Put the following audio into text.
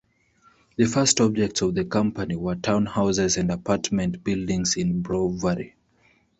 The first objects of the company were townhouses and apartment buildings in Brovary.